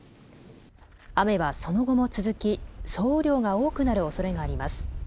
雨はその後も続き総雨量が多くなるおそれがあります。